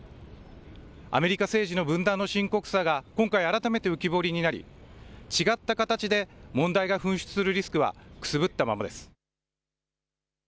アメリカ政治の分断の深刻さが今回、改めて浮き彫りになり違った形で問題が噴出するリスクはくすぶったままです。